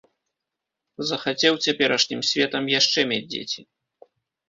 Захацеў цяперашнім светам яшчэ мець дзеці.